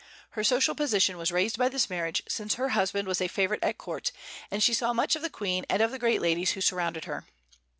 Her social position was raised by this marriage, since her husband was a favorite at court, and she saw much of the Queen and of the great ladies who surrounded her.